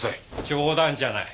冗談じゃない。